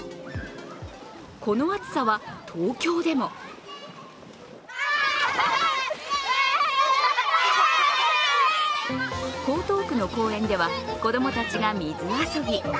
この暑さは東京でも江東区の公園では、子供たちが水遊び。